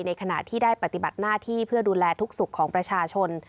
ขณะที่ได้ปฏิบัติหน้าที่เพื่อดูแลทุกสุขของประชาชน